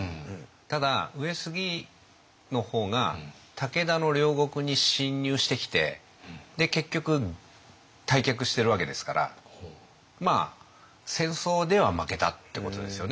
ただ上杉の方が武田の領国に侵入してきて結局退却しているわけですから戦争では負けたってことですよね上杉はね。